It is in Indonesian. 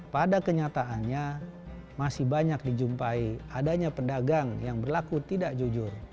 pada kenyataannya masih banyak dijumpai adanya pedagang yang berlaku tidak jujur